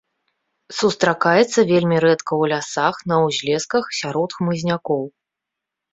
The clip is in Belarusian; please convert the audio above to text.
Сустракаецца вельмі рэдка ў лясах, на ўзлесках, сярод хмызнякоў.